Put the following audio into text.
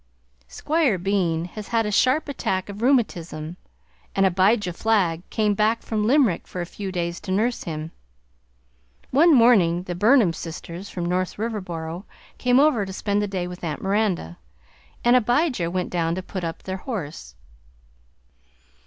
Squire Bean has had a sharp attack of rheumatism and Abijah Flagg came back from Limerick for a few days to nurse him. One morning the Burnham sisters from North Riverboro came over to spend the day with Aunt Miranda, and Abijah went down to put up their horse.